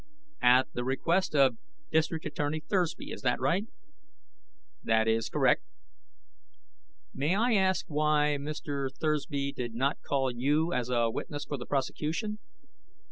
"At the request of District Attorney Thursby, is that right?" "That is correct." "May I ask why Mr. Thursby did not call you as a witness for the prosecution?"